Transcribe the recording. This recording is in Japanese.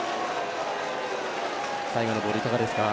最後のボール、いかがですか？